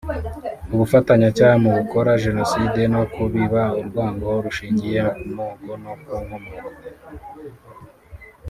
ubufatanyacyaha mu gukora Jenoside no kubiba urwango rushingiye ku moko no ku nkomoko